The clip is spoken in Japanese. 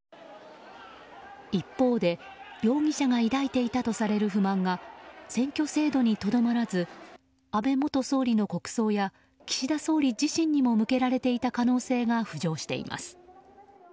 一方で、容疑者が抱いていたとされる不満が選挙制度にとどまらず安倍元総理の国葬や岸田総理自身にも向けられていた可能性が浮上しています。